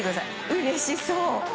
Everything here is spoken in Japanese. うれしそう！